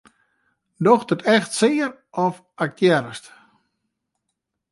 Docht it echt sear of aktearrest?